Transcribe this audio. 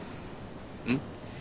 うん？